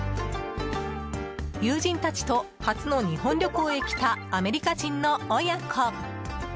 友人たちと初の日本旅行へ来たアメリカ人の親子。